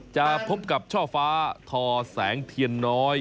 จะพบกับช่อฟ้าทอแสงเทียนน้อย